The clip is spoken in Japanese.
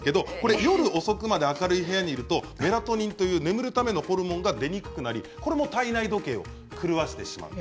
夜遅くまで明るい部屋にいるとメラトニンという眠るためのホルモンが出にくくなって体内時計を狂わせてしまうんです。